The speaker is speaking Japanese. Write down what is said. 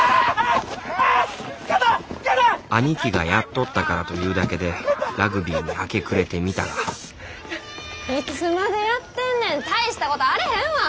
兄貴がやっとったからというだけでラグビーに明け暮れてみたがいつまでやってんねん大したことあれへんわ！